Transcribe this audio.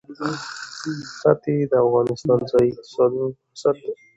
ښتې د افغانستان د ځایي اقتصادونو بنسټ دی.